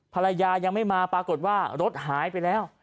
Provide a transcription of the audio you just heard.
ภรรยายังไม่มาปรากฏว่ารถหายไปแล้ว